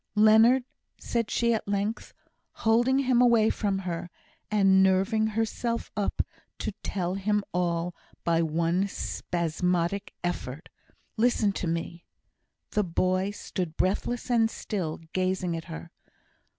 "Leonard!" said she at length, holding him away from her, and nerving herself up to tell him all by one spasmodic effort "listen to me." The boy stood breathless and still, gazing at her.